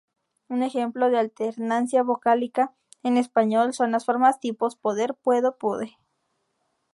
Un ejemplo de alternancia vocálica en español son las formas tipo poder, puedo, pude.